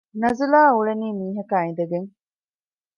ނަޒުލާ އުޅެނީ މީހަކާ އިނދެގެން